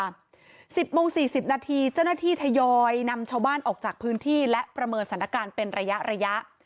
สิบโมงสี่สิบนาทีเจ้าหน้าที่ทยอยนำชาวบ้านออกจากพื้นที่และประเมินสถานการณ์เป็นระยะระยะ